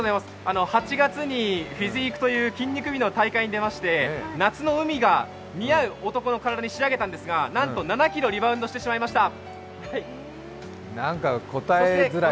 ８月に筋肉美の大会に出まして夏の海が似合う男の体に仕上げたんですがなんと７ｋｇリバウンドしてしまいました。